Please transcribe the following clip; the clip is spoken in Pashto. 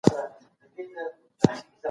حتی کوچني بدلونونه هم لویې پایلې لري.